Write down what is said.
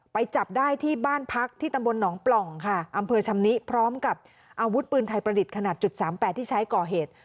ไปจับได้ที่บ้านพักที่ตำบลหนองปล่องค่ะอำเภอชำนิพร้อมกับอาวุธปืนไทยประดิษฐ์ขนาดจุดสามแปดที่ใช้ก่อเหตุ